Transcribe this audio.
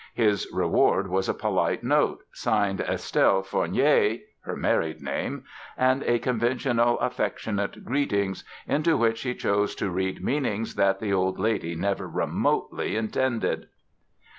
His reward was a polite note signed Estelle Fornier—her married name—and a conventional "affectionate greetings", into which he chose to read meanings that the old lady never remotely intended!